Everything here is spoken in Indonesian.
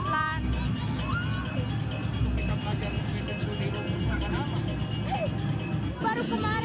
baru kemarin latihan di lumpur kayak begini